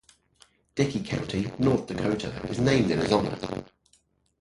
Dickey County, North Dakota is named in his honor.